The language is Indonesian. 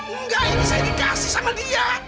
enggak ini saya dikasih sama dia